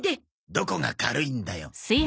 どこが軽いんだよ。